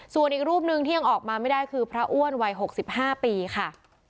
ส่วนอีกรูปหนึ่งที่ยังออกมาไม่ได้คือพระอ้วนวัย๖๕ปีค่ะ